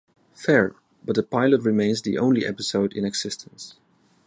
Fair, but the pilot remains the only episode in existence.